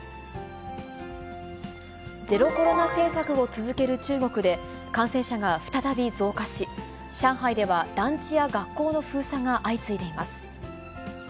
ゼロコロナ政策を続ける中国で、感染者が再び増加し、上海では団地や学校の封鎖が相次いでいます。